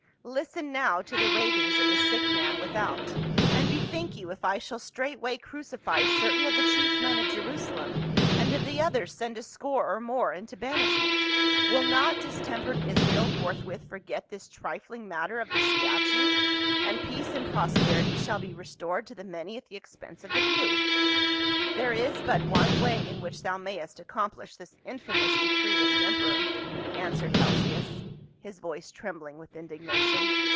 Listen now to the ravings of the sick man without, and bethink you if I shall straightway crucify certain of the chief men of Jerusalem, and of the others send a score or more into banishment, will not distempered Israel forthwith forget this trifling matter of the statue? and peace and prosperity shall be restored to the many at the expense of the few." " There is but one way in which thou mayst accom plish this infamous decree of the emperor," answered Helcias, his voice trembling with indignation.